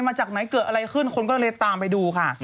มาจากไหนเกิดอะไรขึ้นคนก็เลยตามไปดูค่ะ